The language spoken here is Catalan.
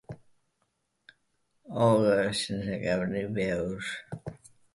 Olga sense cap ni peus.